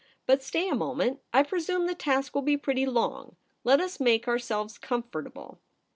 But stay a moment. I presume the task will be pretty long. Let us make ourselves comfortable.'